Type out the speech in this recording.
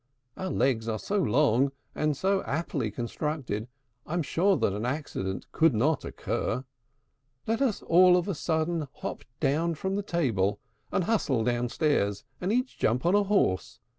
Our legs are so long, and so aptly constructed, I'm sure that an accident could not occur. Let us all of a sudden hop down from the table, And hustle downstairs, and each jump on a horse!